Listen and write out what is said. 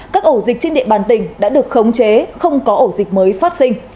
các ổ dịch trên địa bàn tỉnh đã được khống chế không có ổ dịch mới phát sinh